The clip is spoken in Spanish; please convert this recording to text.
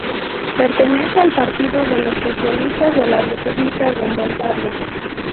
Pertenece al Partido de los Socialistas de la República de Moldavia.